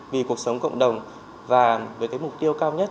vì cuộc sống cộng đồng và với cái mục tiêu cao nhất